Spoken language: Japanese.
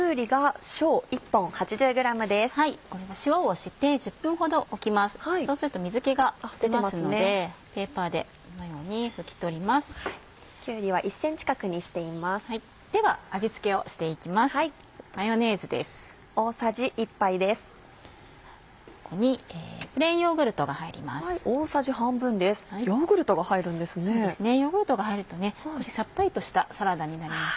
ヨーグルトが入ると少しさっぱりとしたサラダになります。